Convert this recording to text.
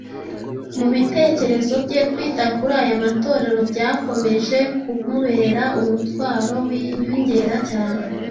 Mu bitekerezo bye, kwita kuri aya matorero byakomeje kumubera umutwaro wiyongera cyane.